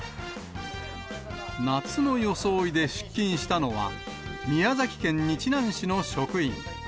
夏の装いで出勤したのは、宮崎県日南市の職員。